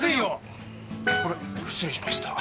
こりゃ失礼しました。